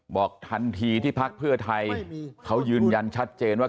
บอกทันทีที่พักเพื่อไทยเขายืนยันชัดเจนว่า